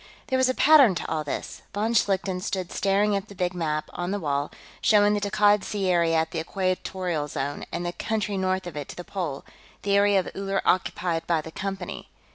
There was a pattern to all this. Von Schlichten stood staring at the big map, on the wall, showing the Takkad Sea area at the Equatorial Zone, and the country north of it to the pole, the area of Uller occupied by the Company.